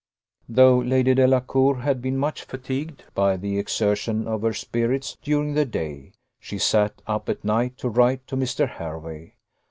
Though Lady Delacour had been much fatigued by the exertion of her spirits during the day, she sat up at night to write to Mr. Hervey.